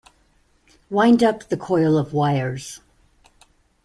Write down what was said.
Wind up the coil of wires.